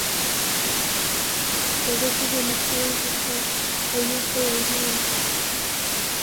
زړې ښځې نسخه واخيسته او نور څه يې ونه ويل.